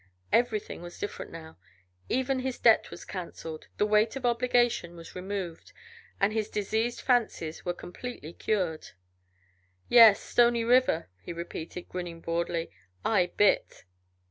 Everything was different now, even his debt was canceled, the weight of obligation was removed, and his diseased fancies were completely cured. "Yes! Stony River," he repeated, grinning broadly. "I bit!"